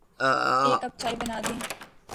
ایک کپ چائے بنادیں